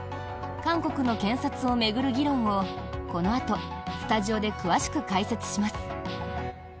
韓国の検察を巡る議論をこのあとスタジオで詳しく解説します。